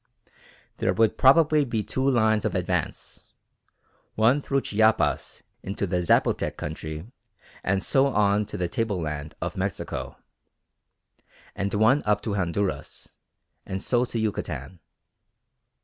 There would probably be two lines of advance: one through Chiapas into the Zapotec country and so on to the tableland of Mexico; and one up to Honduras and so to Yucatan.